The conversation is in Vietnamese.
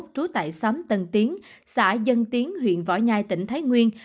trú tại xóm tân tiến xã dân tiến huyện võ nhai tỉnh thái nguyên